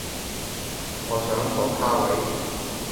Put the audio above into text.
我想坐卡位